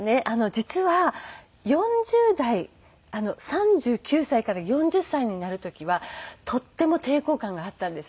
実は４０代３９歳から４０歳になる時はとっても抵抗感があったんですね。